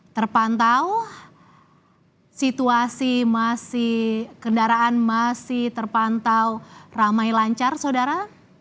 terpantau situasi kendaraan masih terpantau ramai lancar saudara